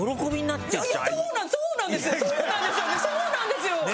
そうなんですよね！